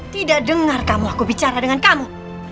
tidak dengar kamu aku bicara dengan kamu